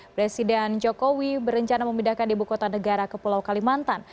presiden jokowi berencana memindahkan ibu kota negara ke pulau kalimantan